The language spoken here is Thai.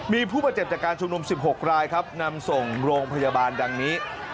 มีผู้บาดเจ็บจากการชุมนุม๑๖รายครับนำส่งโรงพยาบาลดังนี้